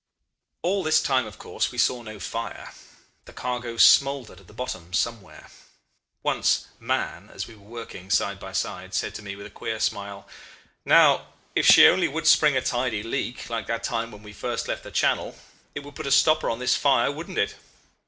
"All this time of course we saw no fire. The cargo smoldered at the bottom somewhere. Once Mahon, as we were working side by side, said to me with a queer smile: 'Now, if she only would spring a tidy leak like that time when we first left the Channel it would put a stopper on this fire. Wouldn't it?